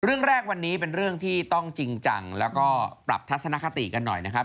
เรื่องแรกวันนี้เป็นเรื่องที่ต้องจริงจังแล้วก็ปรับทัศนคติกันหน่อยนะครับ